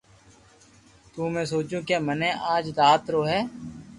تو ۾ سوچيو ڪي مني آج رات رو ھي